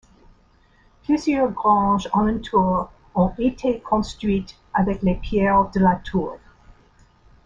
Plusieurs granges alentour ont été construites avec les pierres de la tour.